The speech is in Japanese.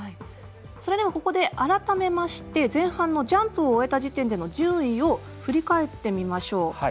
それでは、ここで改めまして前半のジャンプを終えた時点での順位を振り返ってみましょう。